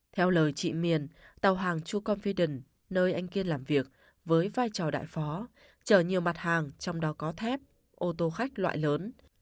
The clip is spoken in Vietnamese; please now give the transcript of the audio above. theo lời chị miền tàu hàng truecom fiden nơi anh kiên làm việc với vai trò đại phó chở nhiều mặt hàng trong đó có thép ô tô khách loại lớn